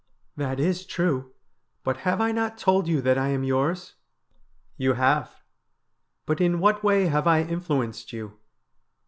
' That is true, but have I not told you that I am yours ?'' You have. But in what way have I influenced you